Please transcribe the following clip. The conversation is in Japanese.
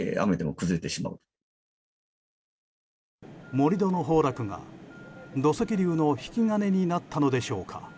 盛り土の崩落が土石流の引き金になったのでしょうか。